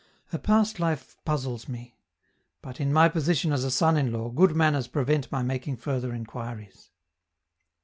Her past life puzzles me; but, in my position as a son in law, good manners prevent my making further inquiries.